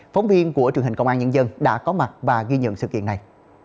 phóng viên của truyền hình công an nhân dân đã có mặt và ghi nhận sự kiện này